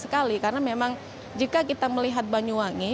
karena memang jika kita melihat banyuwangi